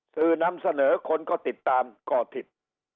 สื่อนำเสนอคนก็ติดตามก่อติด